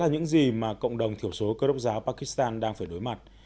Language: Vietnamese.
đó là những gì mà cộng đồng thiểu số cơ độc giáo pakistan đang phải đối mặt